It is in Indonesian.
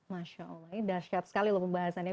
masya allah ini dahsyat sekali loh pembahasannya